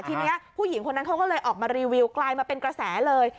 ทีนี้ผู้หญิงคนนั้นเขาก็เลยออกมารีวิวกลายมาเป็นกระแสเลย